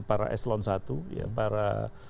para eslon satu para